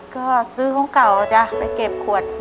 ก็ซื้อของเก่าจ้ะไปเก็บขวด